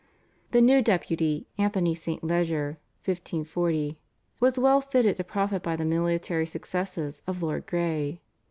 The new Deputy, Anthony St. Leger (1540), was well fitted to profit by the military successes of Lord Grey.